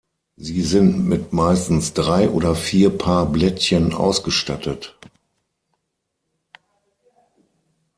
Sie sind mit meistens drei oder vier Paar Blättchen ausgestattet.